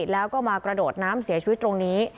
แล้วก็มากระโดดน้ำเสียชีวิตตรงนี้